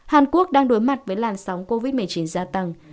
hàn quốc đang đối mặt với làn sóng covid một mươi chín gia tăng